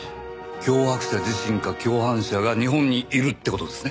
脅迫者自身か共犯者が日本にいるって事ですね。